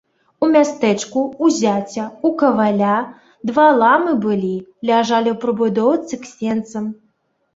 У мястэчку, у зяця, у каваля, два ламы былі, ляжалі ў прыбудоўцы к сенцам.